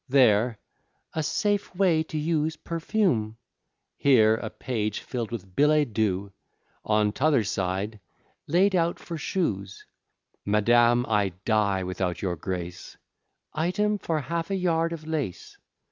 There, "A safe way to use perfume:" Here, a page fill'd with billets doux; On t'other side, "Laid out for shoes" "Madam, I die without your grace" "Item, for half a yard of lace."